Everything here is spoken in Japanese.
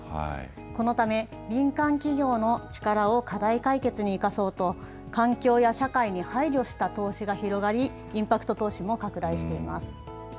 このため、民間企業の力を課題解決に生かそうと、環境や社会に配慮した投資が広がり、インパクト投資も拡大しています。